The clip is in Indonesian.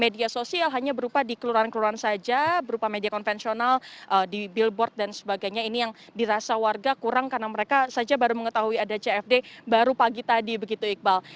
media sosial hanya berupa di kelurahan keluran saja berupa media konvensional di billboard dan sebagainya ini yang dirasa warga kurang karena mereka saja baru mengetahui ada cfd baru pagi tadi begitu iqbal